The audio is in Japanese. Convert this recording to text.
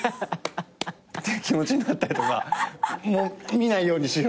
って気持ちになったりとか見ないようにしようみたいな。